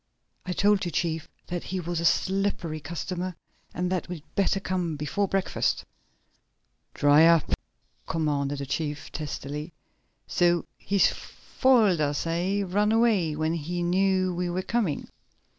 "I told you, chief, that he was a slippery customer, and that we'd better come before breakfast!" "Dry up!" commanded the chief testily. "So he's foiled us, eh? Run away when he knew we were coming?